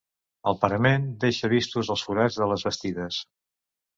El parament deixa vistos els forats de les bastides.